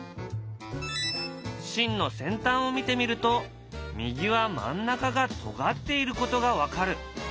芯の先端を見てみると右は真ん中がとがっていることが分かる。